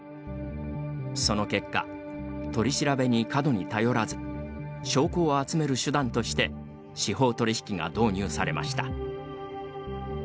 その結果取り調べに過度に頼らず証拠を集める手段として司法取引が導入されました。